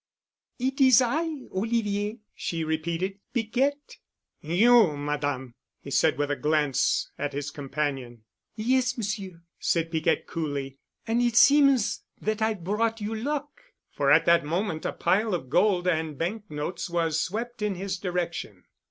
"It is I, Olivier," she repeated—"Piquette." "You—Madame!" he said with a glance at his companion. "Yes, Monsieur," said Piquette coolly, "and it seems that I've brought you luck," for at that moment a pile of gold and bank notes was swept in his direction.